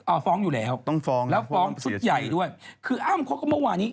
ฟ้องอยู่แล้วต้องฟ้องแล้วฟ้องชุดใหญ่ด้วยคืออ้ำเขาก็เมื่อวานี้